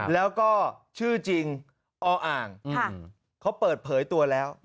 แล้วก็ชื่อจริงออ่างเขาเปิดเผยตัวแล้ว